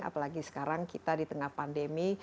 apalagi sekarang kita di tengah pandemi